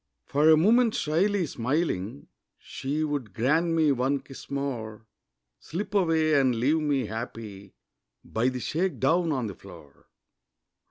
For a moment shyly smiling, She would grant me one kiss more Slip away and leave me happy By the shake down on the floor.